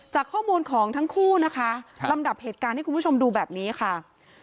จากข้อมูลของทั้งคู่นะคะลำดับเหตุการณ์ให้คุณผู้ชมดูแบบนี้ค่ะ